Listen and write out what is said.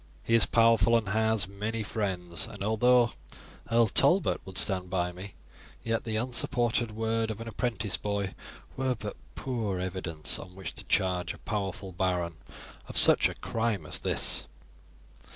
He is powerful and has many friends, and although Earl Talbot would stand by me, yet the unsupported word of an apprentice boy were but poor evidence on which to charge a powerful baron of such a crime as this.